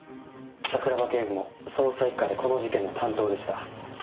「桜庭警部も捜査一課でこの事件の担当でした」